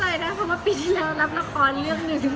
ก็ไม่น้อยใจนะเพราะมาปีที่แล้วรับละครเรื่องหนึ่ง